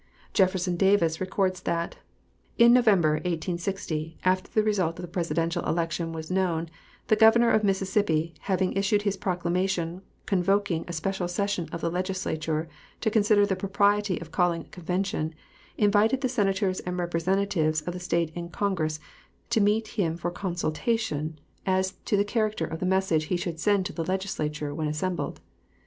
Jefferson Davis records that: Jefferson Davis, "Rise and Fall of the Confederate Government," Vol. I., pp. 57, 58, 59. In November, 1860, after the result of the Presidential election was known, the Governor of Mississippi, having issued his proclamation convoking a special session of the Legislature to consider the propriety of calling a convention, invited the Senators and Representatives of the State in Congress to meet him for consultation as to the character of the message he should send to the Legislature when assembled....